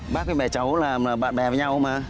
bác với mẹ cháu là bạn bè với nhau mà